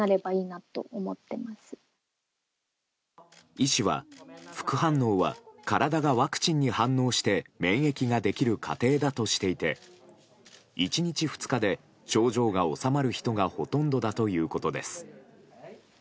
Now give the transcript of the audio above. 医師は副反応は体がワクチンに反応して免疫ができる過程だとしていて１日、２日で症状が治まる人がほとんどだということです。